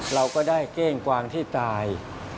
เราก็ได้เก้งกวางที่ตาย